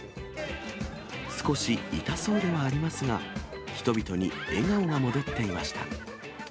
少し痛そうではありますが、人々に笑顔が戻っていました。